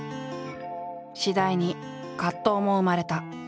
次第に葛藤も生まれた。